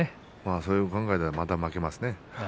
そういう考えならまだ負けますね。